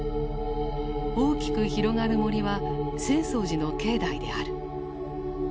大きく広がる森は浅草寺の境内である。